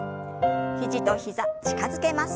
肘と膝近づけます。